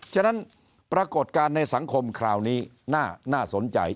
ฉะนั้นปรากฏการณ์ในสังคมคราวนี้น่าสนใจ